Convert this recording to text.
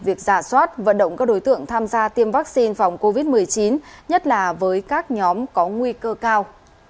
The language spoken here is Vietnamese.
việc giả soát vận động các đối tượng tham gia tiêm vaccine phòng covid một mươi chín nhất là với các nhóm có nguy cơ cao